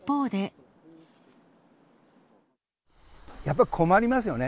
やっぱ困りますよね。